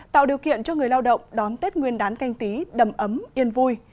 tạo điều kiện cho người lao động đón tết nguyên đán canh tí đầm ấm yên vui